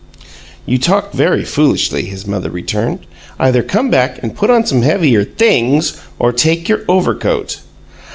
"You talk very foolishly," his mother returned. "Either come back and put on some heavier THINGS or take your overcoat."